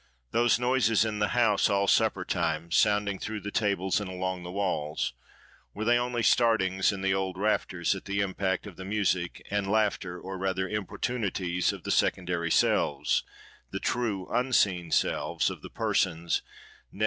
Those noises in the house all supper time, sounding through the tables and along the walls:—were they only startings in the old rafters, at the impact of the music and laughter; or rather importunities of the secondary selves, the true unseen selves, of the persons, nay!